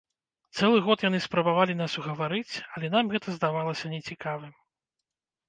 Цэлы год яны спрабавалі нас угаварыць, але нам гэта здавалася нецікавым.